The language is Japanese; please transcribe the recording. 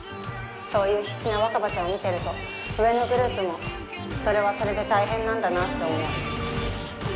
そういう必死な若葉ちゃんを見ていると上のグループもそれはそれで大変なんだなあと思う。